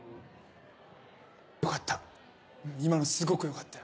良かった！